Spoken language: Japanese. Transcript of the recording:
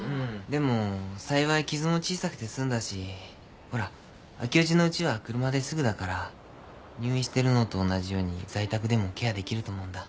でも幸い傷も小さくて済んだしほらあきおじのウチは車ですぐだから入院してるのと同じように在宅でもケアできると思うんだ。